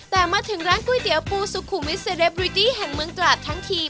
แต่มาถึงร้านก๋วยเตี๋ยวปูสุขุวิสเซเรบริตี้แห่งเมืองตราดทั้งที